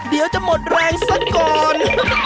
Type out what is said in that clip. เดี๋ยวจะหมดแรงซะก่อน